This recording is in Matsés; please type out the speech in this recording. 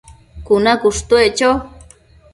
cuna cushtuec cho